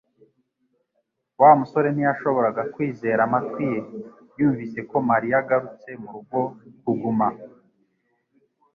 Wa musore ntiyashoboraga kwizera amatwi ye yumvise ko Mariya agarutse murugo kuguma